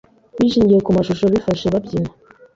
bishingiye ku mashusho bifashe babyina